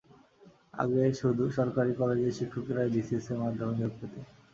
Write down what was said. আগে শুধু সরকারি কলেজের শিক্ষকেরাই বিসিএসের মাধ্যমে নিয়োগ পেতেন।